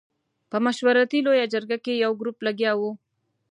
په مشورتي لویه جرګه کې یو ګروپ لګیا وو.